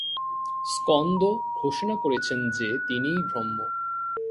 স্কন্দ ঘোষণা করছেন যে, তিনিই ব্রহ্ম।